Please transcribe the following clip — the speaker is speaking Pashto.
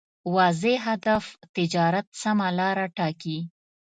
واضح هدف تجارت سمه لاره ټاکي.